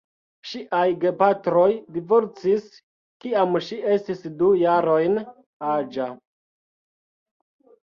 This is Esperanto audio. Ŝiaj gepatroj divorcis, kiam ŝi estis du jarojn aĝa.